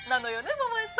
桃恵さん。